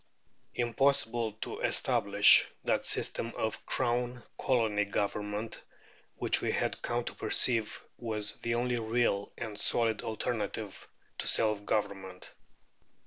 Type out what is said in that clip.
Impossible to establish that system of Crown Colony Government which we had come to perceive was the only real and solid alternative to self government.